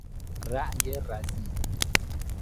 رأی رزین